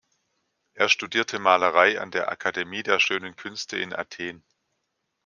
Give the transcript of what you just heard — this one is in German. Er studierte Malerei an der Akademie der Schönen Künste in Athen.